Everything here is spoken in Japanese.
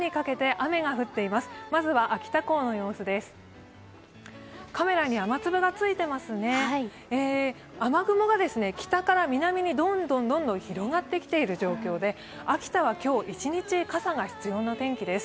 雨雲が北から南にどんどん広がってきている状況で秋田は今日一日、傘が必要な天気です。